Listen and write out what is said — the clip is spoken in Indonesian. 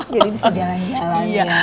jadi bisa jalanin awalnya